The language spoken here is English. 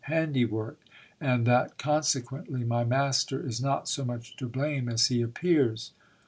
handiwork, and that consequently my master is not so much to blame as he appears.